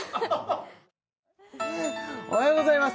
おはようございます